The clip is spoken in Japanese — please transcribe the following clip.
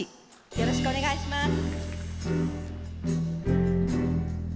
よろしくお願いします。